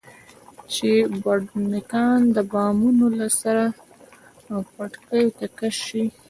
چې بډنکان د بامونو له سره پټاکیو ته کش شي.